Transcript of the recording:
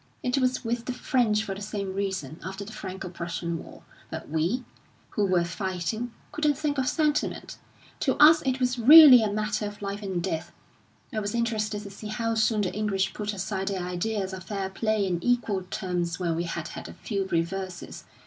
It was with the French for the same reason, after the Franco Prussian War. But we, who were fighting, couldn't think of sentiment; to us it was really a matter of life and death, I was interested to see how soon the English put aside their ideas of fair play and equal terms when we had had a few reverses.